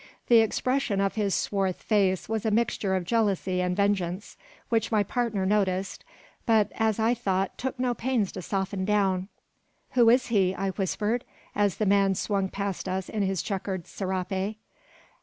The expression of his swarth face was a mixture of jealousy and vengeance, which my partner noticed, but, as I thought, took no pains to soften down. "Who is he?" I whispered, as the man swung past us in his chequered serape.